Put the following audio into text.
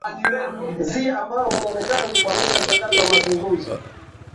zi ambao unaonekana kukwamisha mchakato wa mazungumzo